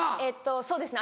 そうですね